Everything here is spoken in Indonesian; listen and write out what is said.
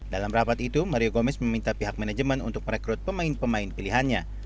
dalam rapat itu mario gomez meminta pihak manajemen untuk merekrut pemain pemain pilihannya